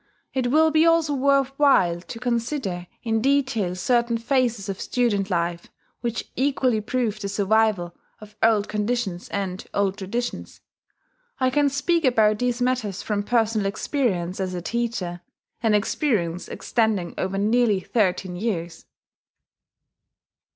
It will be also worth while to consider in detail certain phases of student life, which equally prove the survival of old conditions and old traditions. I can speak about these matters from personal experience as a teacher, an experience extending over nearly thirteen years.